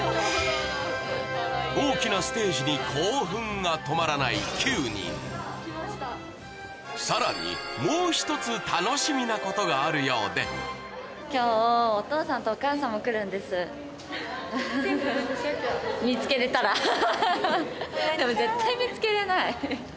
大きなステージに興奮が止まらない９人さらにもう１つ楽しみなことがあるようでハハハでも絶対見つけれない。